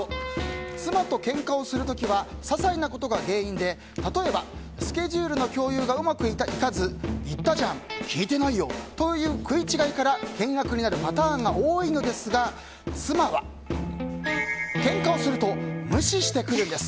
妻とけんかをする時は些細なことが原因で例えば、スケジュールの共有がうまくいかず言ったじゃん聞いてないよという食い違いから険悪になるパターンが多いのですが妻は、けんかをすると無視をしてくるんです。